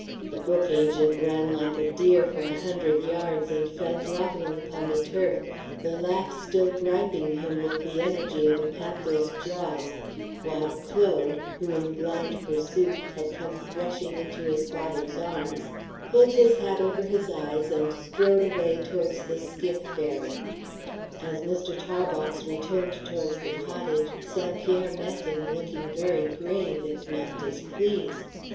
The book agent ran like a deer for a hundred yards and fell grovelling upon the turf, the laugh still griping him with the energy of a panther's jaws, while Claude, who, in blind pursuit, had come threshing into his father's arms, pulled his hat over his eyes and strode away towards the skiff ferry. As Mr. Tarbox returned towards the cottage, St. Pierre met him, looking very grave, if not displeased.